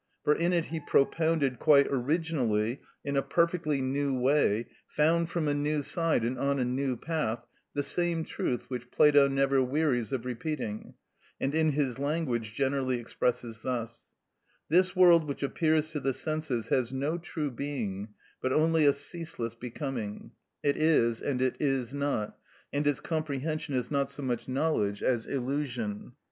For in it he propounded, quite originally, in a perfectly new way, found from a new side and on a new path, the same truth which Plato never wearies of repeating, and in his language generally expresses thus: This world which appears to the senses has no true being, but only a ceaseless becoming; it is, and it is not, and its comprehension is not so much knowledge as illusion.